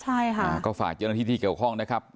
ใช่ค่ะก็ฝากเจ้าหน้าที่ที่เกี่ยวข้องนะครับ